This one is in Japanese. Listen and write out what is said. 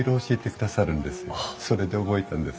それで覚えたんです。